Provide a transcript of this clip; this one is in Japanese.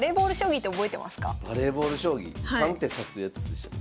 高橋さんバレーボール将棋３手指すやつでしたっけ？